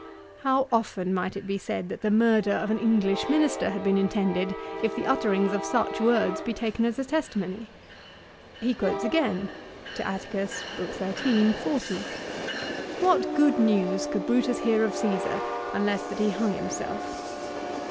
How often might it be said that the murder of an English Minister had been intended if the utterings of such words be taken as a testimony ! He quotes again, Ad Att. lib. xiii. 40, " What good news could Brutus hear of Csesar, unless that he hung himself